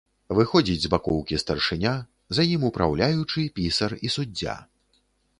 Выходзіць з бакоўкі старшыня, за ім упраўляючы, пісар і суддзя.